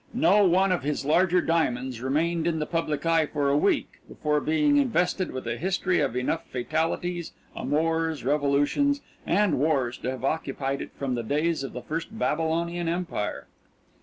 No one of his larger diamonds remained in the public eye for a week before being invested with a history of enough fatalities, amours, revolutions, and wars to have occupied it from the days of the first Babylonian Empire.